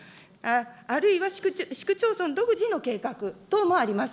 あるいは市区町村独自の計画等もあります。